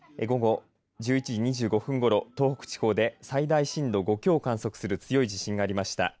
午後１１時２５分ごろ最大震度５強を観測する強い地震が東北地方でありました。